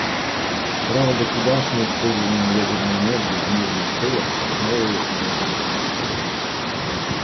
Право государств на использование ядерной энергии в мирных целях основывается на этом принципе.